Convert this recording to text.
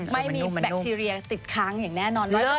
ไม่มีแบคทีเรียติดค้างอย่างแน่นอนเลย